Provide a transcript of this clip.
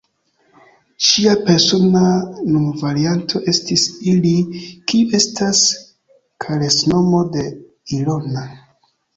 Ŝia persona nomvarianto estis "Ili," kiu estas karesnomo de Ilona.